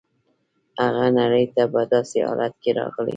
هغه نړۍ ته په داسې حالت کې راغلی.